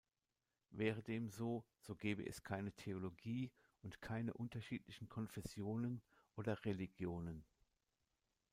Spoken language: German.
Wäre dem so, so gäbe es keine Theologie und keine unterschiedlichen Konfessionen oder Religionen.